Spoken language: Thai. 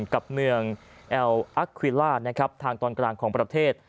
กับเมืองแอลอัควิราทางตอนกลางของประเทศ